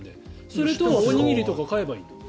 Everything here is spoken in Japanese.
それとおにぎりとか買えばいい。